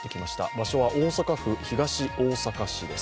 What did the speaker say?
場所は大阪府東大阪市です。